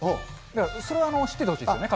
それは知っててほしいですね。